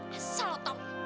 asal lo tau